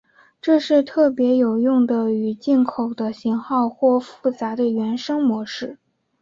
这是特别有用的与进口的型号或复杂的原生模式。